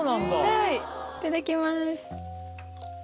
はいいただきます。